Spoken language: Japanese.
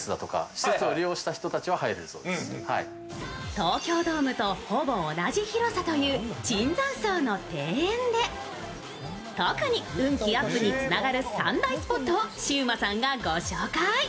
東京ドームとほぼ同じ広さという椿山荘の庭園で特に運気アップにつながる３大スポットをシウマさんがご紹介。